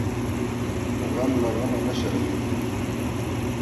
غم له غمه نه شرمیږي .